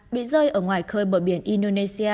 bị rơi ở ngoài khơi bờ biển indonesia